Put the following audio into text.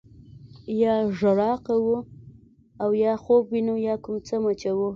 یا ژړا کوو او یا خوب وینو یا کوم څه مچوو.